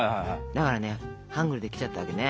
だからねハングルできちゃったわけね。